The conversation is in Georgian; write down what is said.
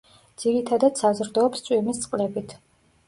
ძირითადად საზრდოობს წვიმის წყლებით.